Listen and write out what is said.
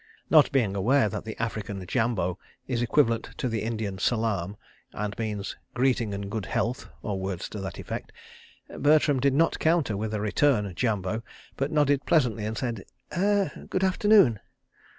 Not being aware that the African "Jambo" is equivalent to the Indian "Salaam," and means "Greeting and Good Health," or words to that effect, Bertram did not counter with a return "Jambo," but nodded pleasantly and said: "Er—good afternoon."